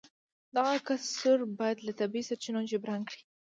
دغه کسر باید له طبیعي سرچینو جبران کړي